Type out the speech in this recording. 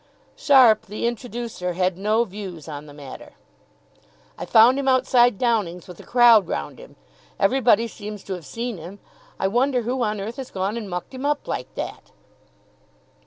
Sharpe, the introducer, had no views on the matter. "I found him outside Downing's, with a crowd round him. Everybody seems to have seen him. I wonder who on earth has gone and mucked him up like that!"